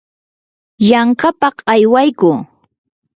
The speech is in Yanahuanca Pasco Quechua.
yanqapaq aywaykuu.